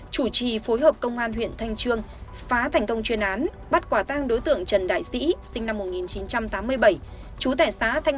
chủ trì phối hợp công an huyền thanh trương phá thành công chuyên án bắt quả tang đối tượng trần đại sĩ